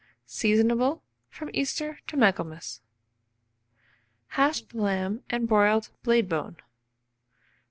Seasonable from Easter to Michaelmas. HASHED LAMB AND BROILED BLADE BONE. 749.